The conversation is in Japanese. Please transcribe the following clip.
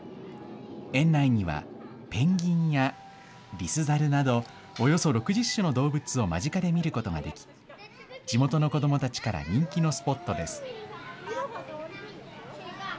園内にはペンギンやリスザルなど、およそ６０種の動物を間近で見ることができ、地元の子どもたちから人気のスポットです。